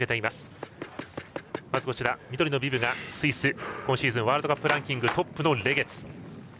まず緑のビブがスイス今シーズンワールドカップランキングトップのレゲツ。